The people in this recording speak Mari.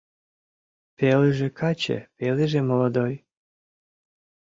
Пелыже каче, пелыже молодой.